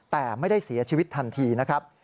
แต่ไม่ได้เสียชีวิตทันทีนะครับ